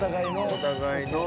お互いの。